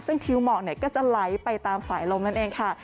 ซึ่งทิวหมอกก็จะไหลไปตามสายลมนั่นเองค่ะ